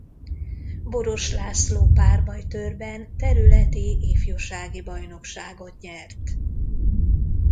Boros László párbajtőrben területi ifjúsági bajnokságot nyert.